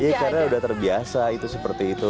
iya karena udah terbiasa itu seperti itu